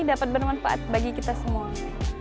dapat bermanfaat bagi kita semua